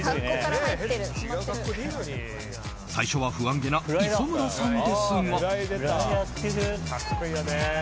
最初は不安げな磯村さんですが。